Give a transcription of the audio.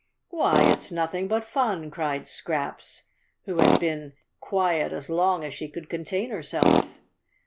"Why, it's nothing but fun," cried Scraps, who had been quiet as long as she could contain herself.